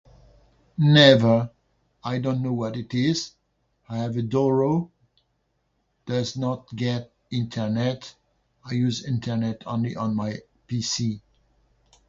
Never. I don't know what it is. I have a Doro. Does not get Internet. I use Internet only on my PC.